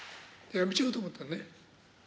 辞めちまおうと思ったのね。